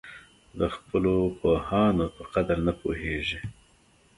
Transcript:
د خپلو پوهانو په قدر نه پوهېږي.